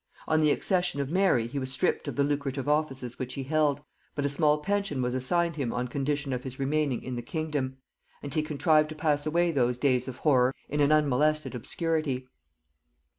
On the accession of Mary he was stripped of the lucrative offices which he held, but a small pension was assigned him on condition of his remaining in the kingdom; and he contrived to pass away those days of horror in an unmolested obscurity.